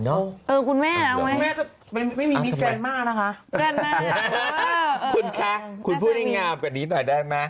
เออคุณแม่เอาไหมถ้าเจอแม่ไม่มีแฟนมาร่าคะคุณแคะคุณพูดงามกันหน่อยได้ไหม